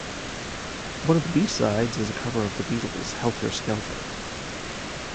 One of the B-sides is a cover of The Beatles' "Helter Skelter".